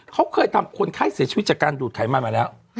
เขาเคยทำคนไข้เสียชีวิตจากการดูดไขมันมาแล้ว